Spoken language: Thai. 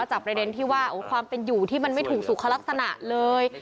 ประเด็นที่ว่าความเป็นอยู่ที่มันไม่ถูกสุขลักษณะเลย